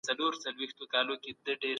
ټکنالوژي د اړیکو بڼه بدله کړې ده.